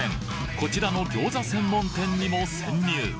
こちらの餃子専門店にも潜入。